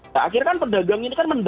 nah akhirnya kan perdagang ini kan masih ada